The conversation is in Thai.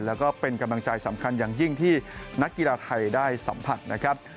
แล้วก็เป็นกำลังใจสำคัญอย่างยิ่งที่นักกีฬาไทยได้สัมผัสนะครับ